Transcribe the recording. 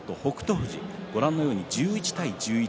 富士は１１対１１